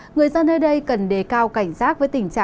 người dân nơi đây cần đề cao cảnh giác